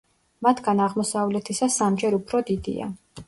მათგან აღმოსავლეთისა სამჯერ უფრო დიდია.